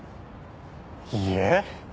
いいえ。